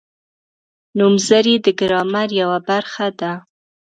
نومځري د ګرامر یوه برخه ده.